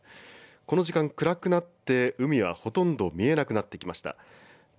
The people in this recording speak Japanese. この時間、暗くなって海はほとんど見えなくなってきました。